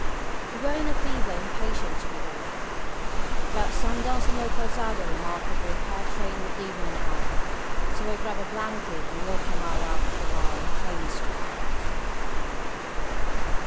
We were in a fever of impatience to be off. About sundown Senor Calzado remarked that the repair train would leave in an hour, so I grabbed a blanket and walked a mile up the line of trains to it.